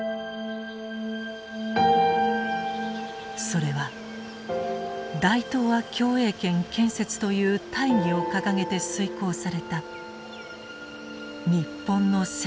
それは大東亜共栄圏建設という大義を掲げて遂行された日本の戦争の末路だった。